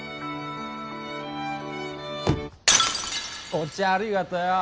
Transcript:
お茶ありがとよう！